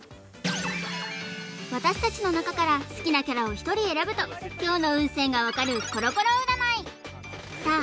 私たちの中から好きなキャラを１人選ぶと今日の運勢が分かるコロコロ占いさあ